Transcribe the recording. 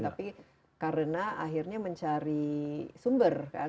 tapi karena akhirnya mencari sumber kan